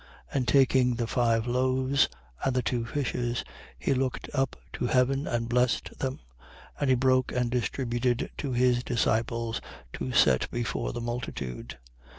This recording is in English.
9:16. And taking the five loaves and the two fishes, he looked up to heaven and blessed them: and he broke and distributed to his disciples, to set before the multitude.